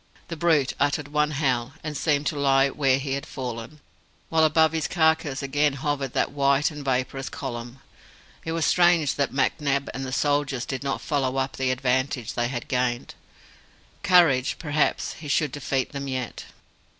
The brute uttered one howl, and seemed to lie where he had fallen; while above his carcase again hovered that white and vaporous column. It was strange that McNab and the soldier did not follow up the advantage they had gained. Courage perhaps he should defeat them yet!